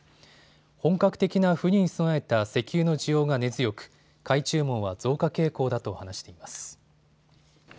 本格的な冬に備えた石油の需要が根強く買い注文は増加傾向だと話しています。